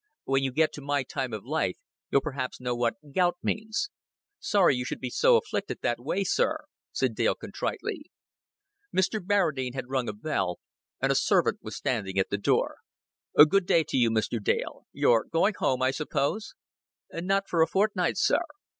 "When you get to my time of life, you'll perhaps know what gout means." "Sorry you should be afflicted that way, sir," said Dale contritely. Mr. Barradine had rung a bell, and a servant was standing at the door. "Good day to you, Mr. Dale. You're going home, I suppose?" "Not for a fortnight, sir."